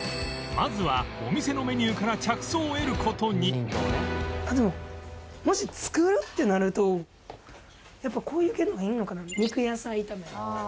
まずはお店のメニューから着想を得る事にでももし作るってなるとやっぱこういう系の方がいいのかな？